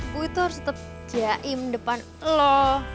gua itu harus tetep jaim depan elo